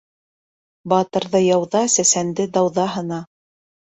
Батырҙы яуҙа, сәсәнде дауҙа һына.